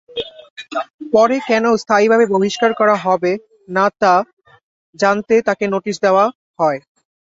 পরে কেন স্থায়ীভাবে বহিষ্কার করা হবে না-তা জানতে তাঁকে নোটিশ দেওয়া হয়।